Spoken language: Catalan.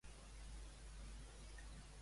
De quin pacte li ha parlat Aragonès a Torra?